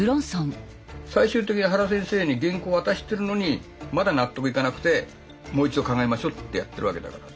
最終的に原先生に原稿を渡してるのにまだ納得いかなくて「もう一度考えましょう」ってやってるわけだから。